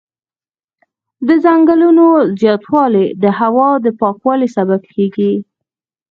د ځنګلونو زیاتوالی د هوا د پاکوالي سبب کېږي.